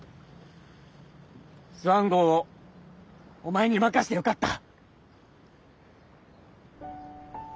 スワン号をお前に任してよかった。